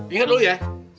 ingat dulu ya